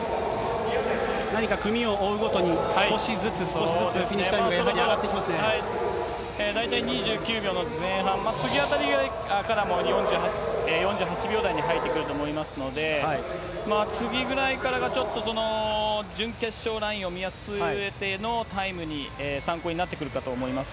何か組を追うごとに、少しずつ、少しずつ、やっぱりフィニッシュ大体２９秒の前半、次あたりから４８秒台に入ってくると思いますので、次ぐらいからがちょっと、準決勝ラインを見据えてのタイムに、参考になってくるかと思いま